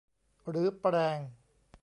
หรือแปรง